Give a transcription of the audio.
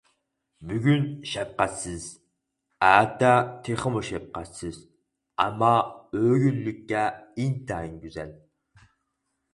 بۈگۈن شەپقەتسىز، ئەتە تېخىمۇ شەپقەتسىز، ئەمما ئۆگۈنلۈككە ئىنتايىن گۈزەل.